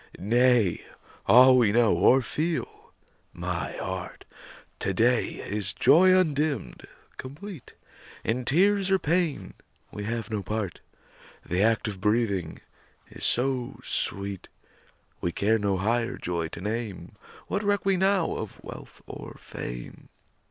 Nay! all we know, or feel, my heart, To day is joy undimmed, complete; In tears or pain we have no part; The act of breathing is so sweet, We care no higher joy to name. What reck we now of wealth or fame?